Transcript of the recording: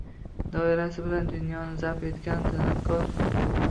Doirasi bilan dunyoni “zabt” etgan san’atkor